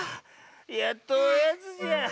やっとおやつじゃ。